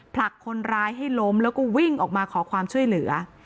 ผลักคนร้ายให้ล้มแล้วก็วิ่งออกมาขอความช่วยเหลือ